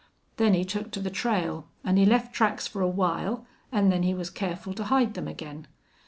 Then he took to the trail, an' he left tracks for a while, an' then he was careful to hide them again.